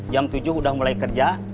jam tujuh udah mulai kerja